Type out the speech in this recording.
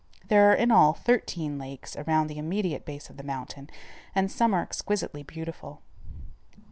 There are in all thirteen lakes around the immediate base of the mountain, and some are exquisitely beautiful.